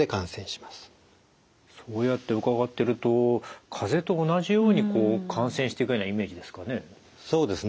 そうやって伺ってるとかぜと同じように感染していくようなイメージですかね。